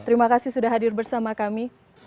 terima kasih sudah hadir bersama kami